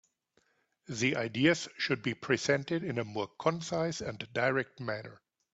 The ideas should be presented in a more concise and direct manner.